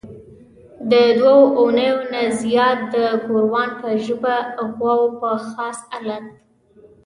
د دوو اونیو نه زیات د ګوروان په ژبه د غواوو په خاص الت.